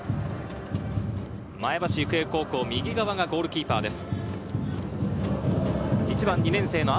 前橋育英高校、右側がゴールキーパーです。